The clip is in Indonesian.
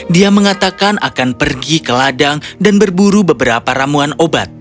dia mengatakan akan pergi ke ladang dan berburu beberapa ramuan obat